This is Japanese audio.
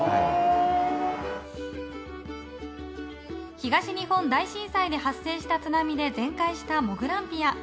東日本大震災で発生した津波で全壊した、もぐらんぴあ。